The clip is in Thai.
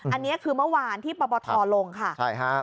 อันนี้คือเมื่อวานที่ปปทลงค่ะใช่ฮะ